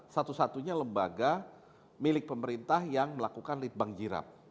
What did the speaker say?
satu satunya lembaga milik pemerintah yang melakukan lead bank jirap